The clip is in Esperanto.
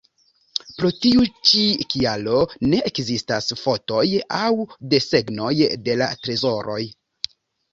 Pro tiu ĉi kialo, ne ekzistas fotoj aŭ desegnoj de la trezoroj.